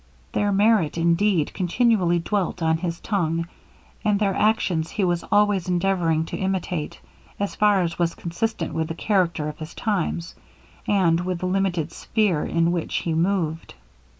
Their merit, indeed, continually dwelt on his tongue, and their actions he was always endeavouring to imitate, as far as was consistent with the character of his times, and with the limited sphere in which he moved.